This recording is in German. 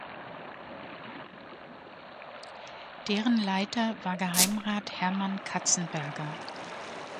Deren Leiter war Geheimrat Hermann Katzenberger.